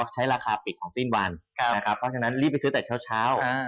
ใช้ราคาปิดของสิ้นวันเร็วไปซื้อแต่เช้า